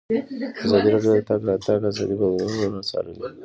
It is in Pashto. ازادي راډیو د د تګ راتګ ازادي بدلونونه څارلي.